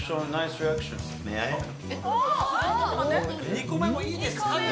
２個目もいいですかって。